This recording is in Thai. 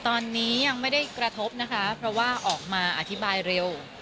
ตอนนี้ยังไม่ได้กระทบนะคะเพราะว่าออกมาอธิบายเร็ว